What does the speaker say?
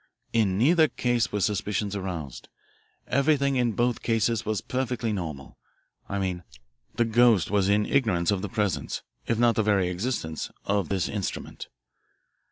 In neither case were suspicions aroused. Everything in both cases was perfectly normal I mean the 'ghost' was in ignorance of the presence, if not the very existence, of this instrument.